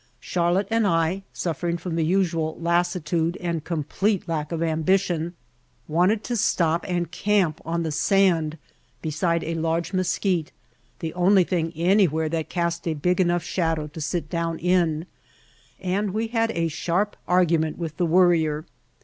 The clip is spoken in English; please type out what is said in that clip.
Charlotte and I, suffering from the usual lassitude and complete lack of ambition, wanted to stop and camp on the sand beside a large mesquite, the only thing anywhere that cast a big enough shadow to sit down in, and we had a sharp argument with the Worrier.